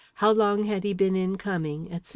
How long had he been in coming, etc.